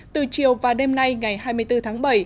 từ chiều và đêm nay ngày hai mươi bốn tháng bảy